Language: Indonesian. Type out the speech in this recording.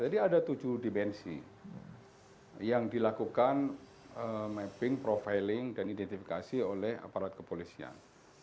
jadi ada tujuh dimensi yang dilakukan mapping profiling dan identifikasi oleh aparat kepolisian